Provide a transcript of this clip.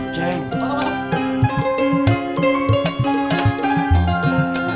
ceng masuk masuk